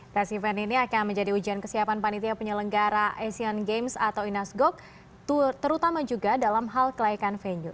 tes event ini akan menjadi ujian kesiapan panitia penyelenggara asian games atau inas gok terutama juga dalam hal kelaikan venue